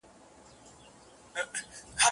د مال، عزت او د سرونو لوټماران به نه وي